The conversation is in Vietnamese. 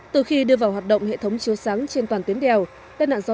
từ khi đưa vào hoạt động hệ thống chiều sáng trên toàn tuyến đèo